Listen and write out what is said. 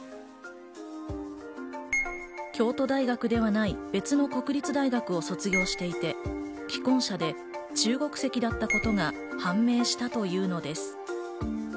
京都大学ではない別の国立大学を卒業していて、既婚者で中国籍だったことが判明したというのです。